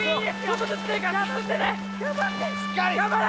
頑張れ！